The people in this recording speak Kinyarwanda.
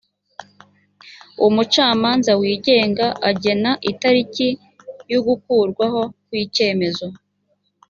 umucamanza wigenga agena itariki y’ugukurwaho kw’icyemezo